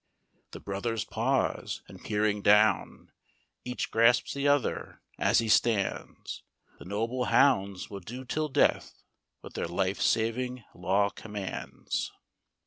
The brothers pause, and peering down, Each grasps the other as he stands : The noble hounds will do till death What their life saving law commands.